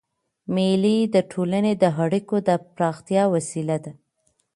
مېلې د ټولني د اړیکو د پراختیا وسیله ده.